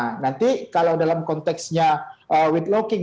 nah nanti kalau dalam konteksnya with locking